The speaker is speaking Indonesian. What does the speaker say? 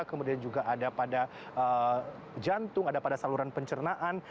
kemudian juga ada pada jantung ada pada saluran pencernaan